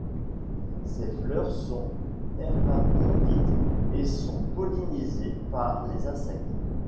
Ses fleurs sont hermaprodites et sont pollinisées par les insectes.